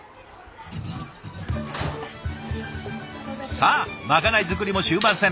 さあまかない作りも終盤戦。